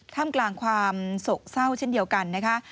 ท่ามกลางความโศกเศร้าเช่นเดียวกันนะคะ